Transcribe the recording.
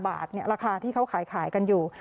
บาทราคาที่เขาขายกันอยู่